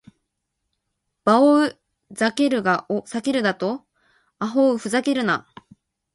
バオウ・ザケルガを避けるだと！アホウ・フザケルナ！